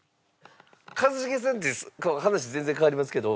一茂さんって話全然変わりますけど。